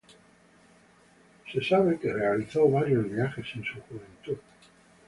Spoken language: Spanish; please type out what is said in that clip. Se sabe que realizó varios viajes en su juventud.